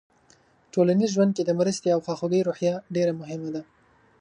ټولنیز ژوند کې د مرستې او خواخوږۍ روحیه ډېره مهمه ده.